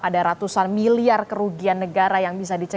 ada ratusan miliar kerugian negara yang bisa dicerita